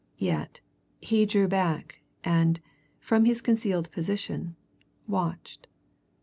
Yet, he drew back, and, from his concealed position, watched.